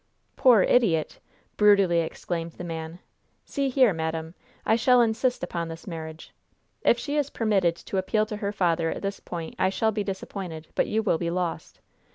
"Poor idiot!" brutally exclaimed the man. "See here, madam, I shall insist upon this marriage. If she is permitted to appeal to her father at this point I shall be disappointed, but you will be lost.